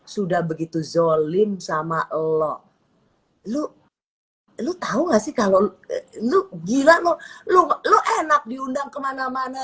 sudah begitu zolin sama elo lu lu tahu nggak sih kalau lu gila mau lu enak diundang kemana mana